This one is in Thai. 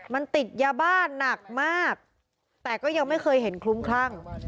มันติดยาบ้านหนักมากแต่ก็ยังไม่เคยเห็นคลุ้มคลั่ง